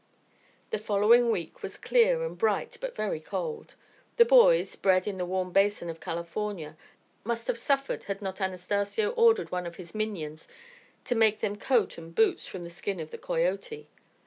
The following week was clear and bright, but very cold. The boys, bred in the warm basin of California, must have suffered had not Anastacio ordered one of his minions to make them coat and boots from the skin of the coyote.